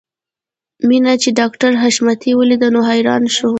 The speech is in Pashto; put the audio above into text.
مينه چې ډاکټر حشمتي وليده نو حیران شو